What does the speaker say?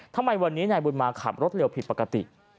ทำไมวันนี้นายบุญมาขับรถเร็วผิดปกติ